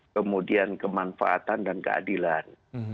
kemudian kemanfaatan dan keadilan